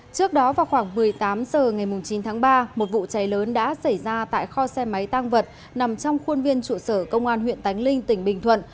trước đó vào khoảng một mươi tám h ngày chín tháng ba một vụ cháy lớn đã xảy ra tại kho xe máy tăng vật nằm trong khuôn viên trụ sở công an huyện tánh linh tỉnh bình thuận